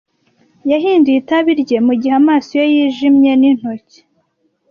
Yahinduye itabi rye mu gihe amaso ye yijimye n'intoki;